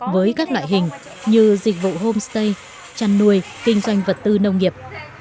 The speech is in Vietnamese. với các loại hình như dịch vụ homestay chăn nuôi kinh doanh vật tư nông nghiệp